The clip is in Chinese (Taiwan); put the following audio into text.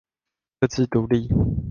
各自獨立